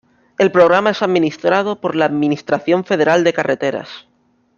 El programa es administrado por la administración Federal de Carreteras.